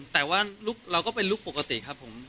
แต่ว่าเราก็เป็นลุคปกติครับผม